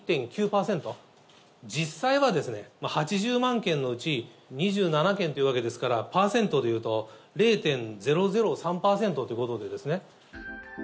実際は８０万件のうち２７件というわけですからパーセントで言うと０．００３％ということで。